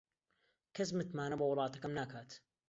کەس متمانە بە وڵاتەکەم ناکات.